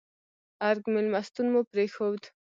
ارګ مېلمستون مو پرېښود.